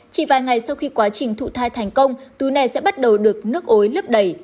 chỉ vài ngày sau khi quá trình thụ thai thành công túi này sẽ bắt đầu được nước ối lấp đầy